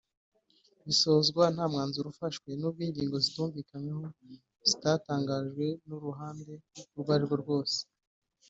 bisozwa nta mwanzuro ufashwe n’ubwo ingingo zitumvikanweho zitatangajwe n’uruhande urwo arirwo rwose